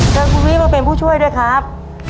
เชิญคุณวิมาเป็นผู้ช่วยด้วยครับ